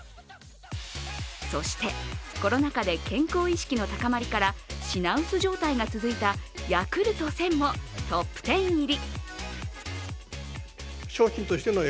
そして、コロナ禍で健康意識の高まりから、品薄状態が続いたヤクルト１０００もトップテン入り。